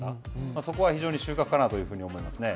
そこは非常に収穫かなというふうに思いますね。